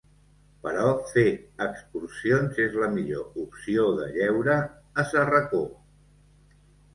Però fer excursions és la millor opció de lleure a s'Arracó.